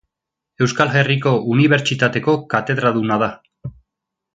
Euskal Herriko Unibertsitateko katedraduna da.